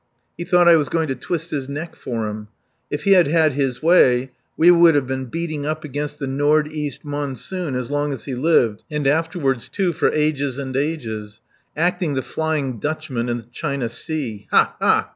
He thought I was going to twist his neck for him. If he had had his way we would have been beating up against the Nord East monsoon, as long as he lived and afterward, too, for ages and ages. Acting the Flying Dutchman in the China Sea! Ha! Ha!"